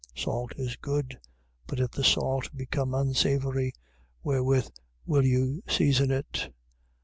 9:49. Salt is good. But if the salt become unsavoury, wherewith will you season it?